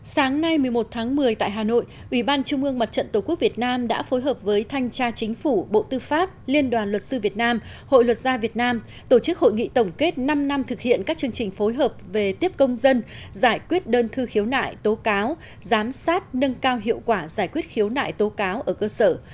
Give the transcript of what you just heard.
sáng nay một mươi một tháng một mươi tại hà nội ủy ban trung ương mặt trận tổ quốc việt nam đã phối hợp với thanh tra chính phủ bộ tư pháp liên đoàn luật sư việt nam hội luật gia việt nam tổ chức hội nghị tổng kết năm năm thực hiện các chương trình phối hợp về tiếp công dân giải quyết đơn thư khiếu nại tố cáo giám sát nâng cao hiệu quả giải quyết khiếu nại tố cáo ở cơ sở